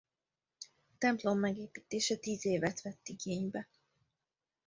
A templom megépítése tíz évet vett igénybe.